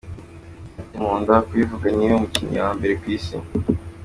Ati: “ Nkunda kubivuga niwe mukinnyi wa mbere ku Isi.